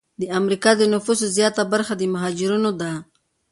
د امریکا د نفوسو زیاته برخه د مهاجرینو ده.